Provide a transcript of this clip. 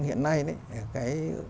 hiện nay đấy